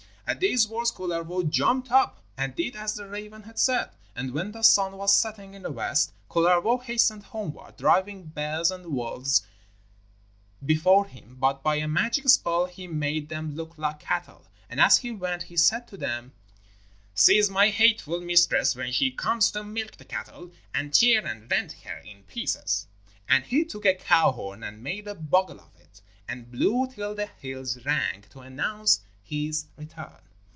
At these words Kullervo jumped up and did as the raven had said. And when the sun was setting in the west, Kullervo hastened homeward, driving bears and wolves before him, but by a magic spell he made them look like cattle. And as he went, he said to them: 'Seize my hateful mistress when she comes to milk the cattle, and tear and rend her in pieces.' And he took a cow horn and made a bugle of it and blew till the hills rang, to announce his return.